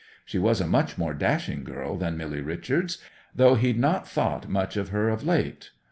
She was a much more dashing girl than Milly Richards, though he'd not thought much of her of late.